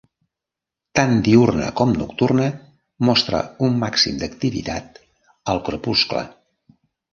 Tant diürna com nocturna, mostra un màxim d'activitat al crepuscle.